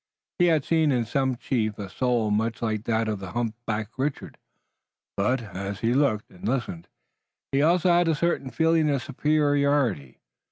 He had seen in some chief a soul much like that of humpbacked Richard, but, as he looked and listened, he also had a certain feeling of superiority.